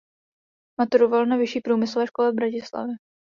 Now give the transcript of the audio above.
Maturoval na Vyšší průmyslové škole v Bratislavě.